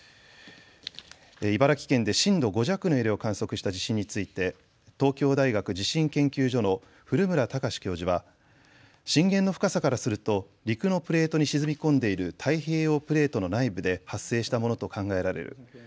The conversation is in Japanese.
茨城県で震度５弱の揺れを観測した地震について東京大学地震研究所の古村孝志教授は震源の深さからすると陸のプレートに沈み込んでいる太平洋プレートの内部で発生したものと考えられる。